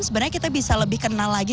sebenarnya kita bisa lebih kenal lagi